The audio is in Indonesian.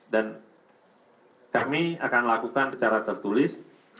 dan kami akan lakukan secara tertulis